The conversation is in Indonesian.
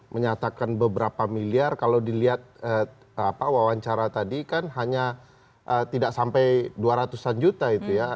menyatakan beberapa miliar kalau dilihat wawancara tadi kan hanya tidak sampai dua ratus an juta itu ya